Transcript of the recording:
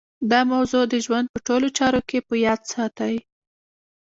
دا موضوع د ژوند په ټولو چارو کې په یاد ساتئ